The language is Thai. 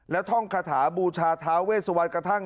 และท่องคาถาบูชาท้าเวสวันกระทั่ง